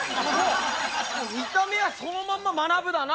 見た目はそのまんままなぶだな！